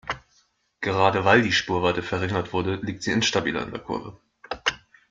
Gerade weil die Spurweite verringert wurde, liegt sie instabiler in der Kurve.